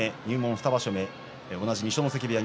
２場所目同じ二所ノ関部屋